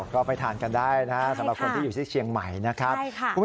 ก็ไปทานกันได้นะครับสำหรับคนที่อยู่ที่เชียงใหม่นะครับ